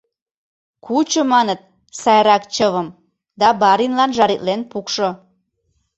Кучо, маныт, сайрак чывым да баринлан жаритлен пукшо.